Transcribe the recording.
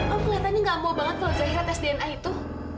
om ngeliatan ini gak mau banget kalo zahira tes dna itu